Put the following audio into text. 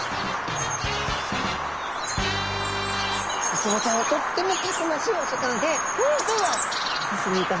ウツボちゃんはとってもたくましいお魚で例えば浅瀬にいた場合ですね